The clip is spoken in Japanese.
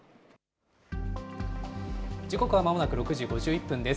時刻はまもなく６時５１分です。